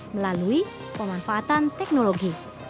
melalui pemanfaatan teknologi